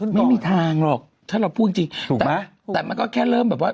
ไม่มีทางหรอกถ้าเราพูดจริงถูกไหมแต่มันก็แค่เริ่มแบบว่า